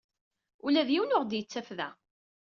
Ula d yiwen ur aɣ-d-yettaf da.